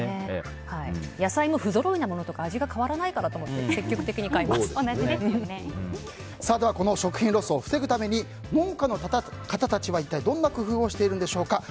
野菜も不ぞろいなものも味は変わらないからといってこの食品ロスを防ぐために農家の方たちは一体どんな工夫をしているんでしょうか。